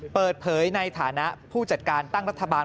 เปิดเผยในฐานะผู้จัดการตั้งรัฐบาล